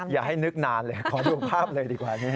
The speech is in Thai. อย่าให้นึกนานเลยขอดูภาพเลยดีกว่านี้